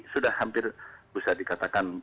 sudah hampir bisa dikatakan